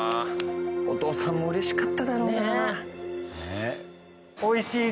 お父さんも嬉しかっただろうな。